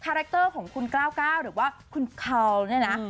แรคเตอร์ของคุณกล้าวก้าวหรือว่าคุณคาวเนี่ยนะ